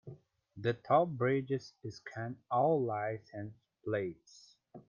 The toll bridges scan all license plates.